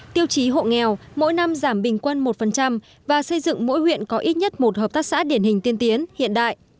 tiêu chí hộ nghèo mỗi năm giảm bình quân một và xây dựng mỗi huyện có ít nhất một hợp tác xã điển hình tiên tiến hiện đại